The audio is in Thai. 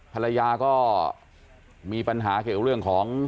ภรรยาก็มีปัญหาเกี่ยวกับเรื่องของ